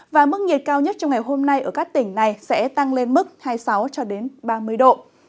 và mức nhiệt cao nhất trong ngày hôm nay ở các tỉnh này sẽ tăng lên mức hai mươi sáu ba mươi độ